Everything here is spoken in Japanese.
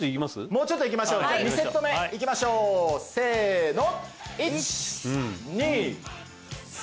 もうちょっといきましょう２セット目いきましょうせの１２３４５６７８９